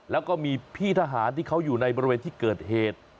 แล้วก็มีพี่ทหารที่เขาอยู่ในบริเวณที่เกิดเหตุ